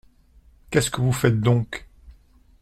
Qu’est-ce que vous faites donc ?